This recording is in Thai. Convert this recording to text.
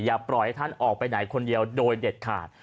อย่าปล่อยให้ท่านออกไปไหนคนเดียวโดยเด็ดขาด